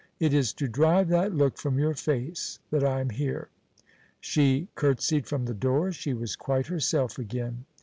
It is to drive that look from your face that I am here." She courtesied from the door. She was quite herself again.